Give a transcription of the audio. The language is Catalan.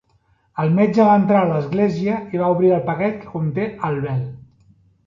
El metge va entrar a l'església i va obrir el paquet que conté el vel.